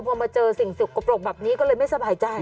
พอมาเจอสิ่งสกปรกแบบนี้ก็เลยไม่สบายใจ